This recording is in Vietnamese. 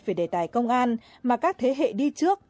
về đề tài công an mà các thế hệ đi trước